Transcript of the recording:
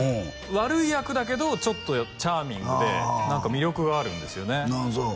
悪い役だけどちょっとチャーミングで何か魅力があるんですよね